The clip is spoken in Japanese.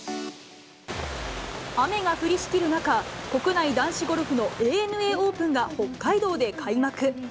雨が降りしきる中、国内男子ゴルフのＡＮＡオープンが北海道で開幕。